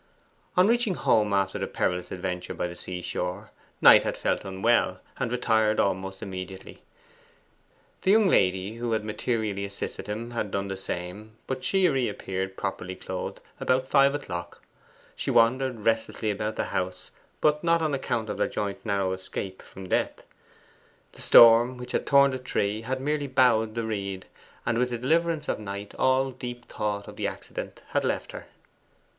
On reaching home after the perilous adventure by the sea shore, Knight had felt unwell, and retired almost immediately. The young lady who had so materially assisted him had done the same, but she reappeared, properly clothed, about five o'clock. She wandered restlessly about the house, but not on account of their joint narrow escape from death. The storm which had torn the tree had merely bowed the reed, and with the deliverance of Knight all deep thought of the accident had left her.